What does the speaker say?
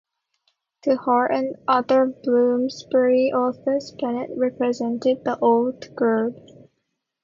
To her and other Bloomsbury authors Bennett represented the "old guard".